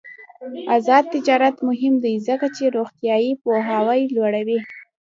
آزاد تجارت مهم دی ځکه چې روغتیايي پوهاوی لوړوي.